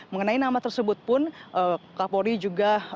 mengenai nama tersebut pun kapolri juga